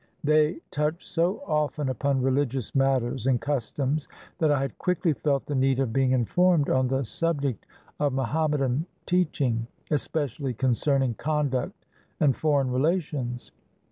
They touched so often upon rehgious matters and customs that I had quickly felt the need of being informed on the subject of Mohammedan teach ing, especially concerning conduct and foreign relations.